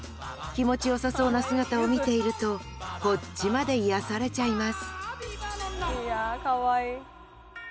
気持ちよさそうな姿を見ているとこっちまで癒やされちゃいますいやあかわいい。